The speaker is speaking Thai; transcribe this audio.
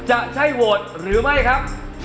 จะใช่โหวตหรือไม่ครับ